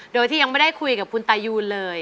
โดยที่ยังไม่ได้คุยกับคุณตายูนเลย